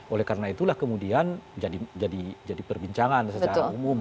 oleh karena itulah kemudian jadi perbincangan secara umum